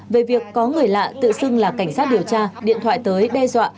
về việc có người lạ tự xưng là cảnh sát điều tra điện thoại tới đe dọa